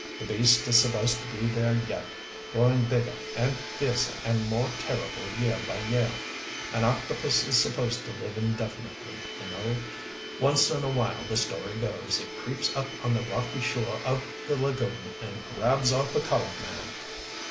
The beast is supposed to be there yet, growing bigger and fiercer and more terrible year by year. An octopus is supposed to live indefinitely, you know. Once in awhile, the story goes, it creeps up on the rocky shore of the lagoon and grabs off a colored man.